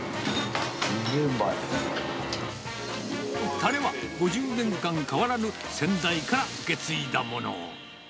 たれは５０年間変わらぬ、先代から受け継いだものを。